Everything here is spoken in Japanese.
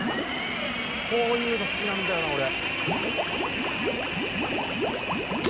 こういうの好きなんだよな俺。